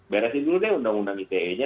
beresin dulu deh undang undang ite nya